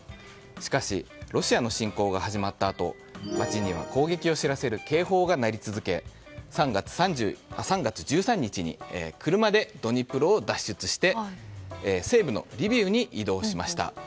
しかし、ロシアの侵攻が始まったあと街には攻撃を知らせる警報が鳴り続け３月１３日に車でドニプロを脱出して西部のリビウに移動しました。